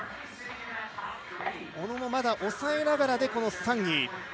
小野もまだ抑えながらで３位。